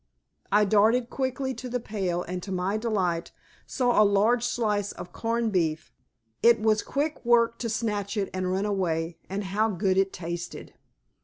I darted quickly to the pail and, to my delight, saw a large slice of corned beef. It was quick work to snatch it and run away, and how good it tasted!